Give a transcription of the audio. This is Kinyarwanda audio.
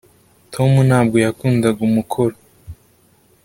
tom ntabwo yakundaga umukoro